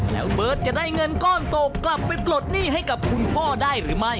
แล้วเบิร์ตจะได้เงินก้อนโตกลับไปปลดหนี้ให้กับคุณพ่อได้หรือไม่